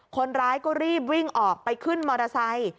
คนร้ายก็รีบวิ่งออกไปขึ้นมอเตอร์ไซค์